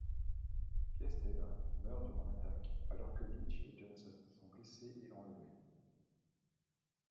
Piestewa meurt durant l'attaque alors que Lynch et Johnson sont blessées et enlevées.